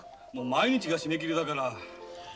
毎日が締め切りだから。